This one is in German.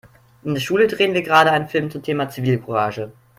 In der Schule drehen wir gerade einen Film zum Thema Zivilcourage.